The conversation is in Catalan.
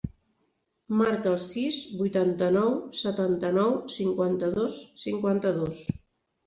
Marca el sis, vuitanta-nou, setanta-nou, cinquanta-dos, cinquanta-dos.